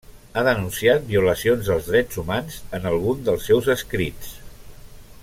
Ha denunciat violacions dels drets humans en algun dels seus escrits.